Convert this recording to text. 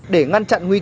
để ngăn chặn nguy hiểm